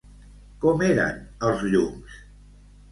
Com eren els llums?